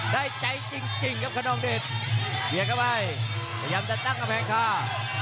ได้ใจจริงครับคนนองเดชเบียดเข้าไปพยายามจะตั้งกำแพงคา